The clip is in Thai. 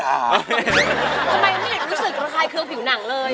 ทำไมไม่เหนือนรู้สึกเหมือนคือเครือผิวหนังเลยอะ